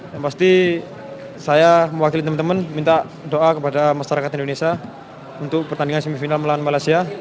yang pasti saya mewakili teman teman minta doa kepada masyarakat indonesia untuk pertandingan semifinal melawan malaysia